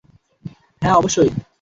হ্যাঁ, অবশ্যই!